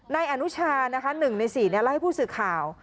ในอนุชา๑ใน๔นิ้วไล่ผู้สื่อข่าว